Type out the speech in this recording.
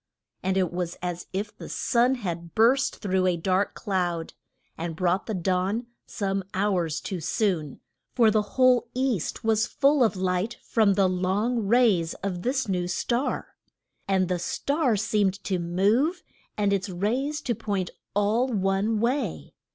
And it was as if the sun had burst through a dark cloud, and brought the dawn some hours too soon, for the whole East was full of light from the long rays of this new star. And the star seemed to move, and its rays to point all one way.